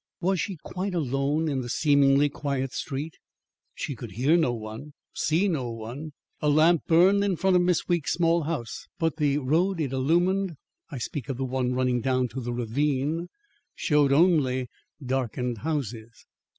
Was she quite alone in the seemingly quiet street? She could hear no one, see no one. A lamp burned in front of Miss Weeks' small house, but the road it illumined (I speak of the one running down to the ravine) showed only darkened houses.